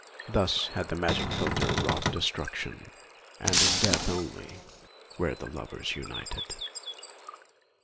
Thus had the magic philtre wrought destruction; and in death only were the lovers united.